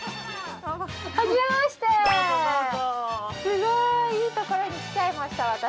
すごいいい所に来ちゃいました私。